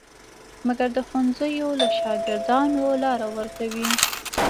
مګر د ښوونځیو له شاګردانو لاره ورکوي.